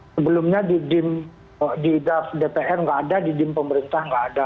sebelumnya di dpr nggak ada di dim pemerintah nggak ada